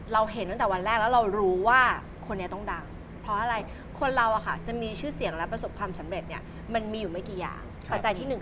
เราเห็นตั้งแต่วันแรกแล้วเรารู้ว่า